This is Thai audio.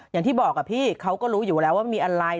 อย่างที่บอกพี่เขาก็รู้อยู่แล้วว่ามีอะไร